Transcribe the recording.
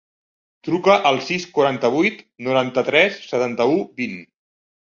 Truca al sis, quaranta-vuit, noranta-tres, setanta-u, vint.